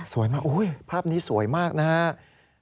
มากภาพนี้สวยมากนะครับ